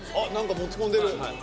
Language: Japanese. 何か持ち込んでる。